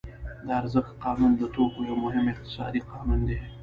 د ارزښت قانون د توکو یو مهم اقتصادي قانون دی